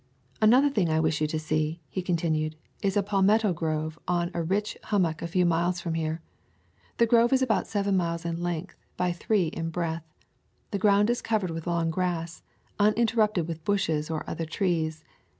"Another thing I wish you to see," he con tinued, "is a palmetto grove on a rich hum mock a few miles from here. The grove is about seven miles in length by three in breadth. The ground is covered with long grass, unin terrupted with bushes or other trees.